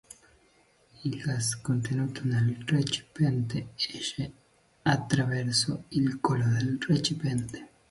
Il gas contenuto nel recipiente esce attraverso il collo del recipiente.